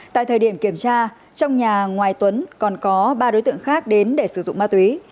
tại thời điểm kiểm tra trong nhà ngoài tuấn còn có ba đối tượng khác đến để sử dụng ma túy